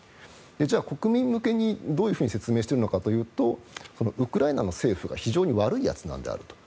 じゃあ、国民向けにどう説明しているのかというとウクライナの政府が非常に悪いやつなんだと。